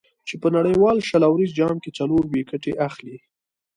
چې په یو نړیوال شل اوریز جام کې څلور ویکټې اخلي.